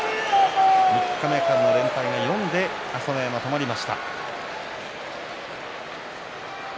三日目からの連敗が４で朝乃山、止まりました。